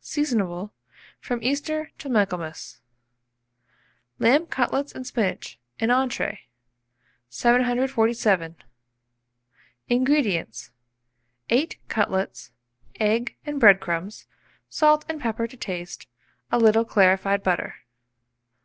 Seasonable from Easter to Michaelmas. LAMB CUTLETS AND SPINACH (an Entree). 747. INGREDIENTS. 8 cutlets, egg and bread crumbs, salt and pepper to taste, a little clarified butter.